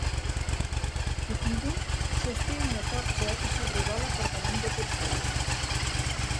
Cupido sosté una torxa i sobrevola per damunt de tots dos.